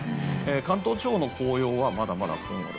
関東地方の紅葉はまだまだ今後。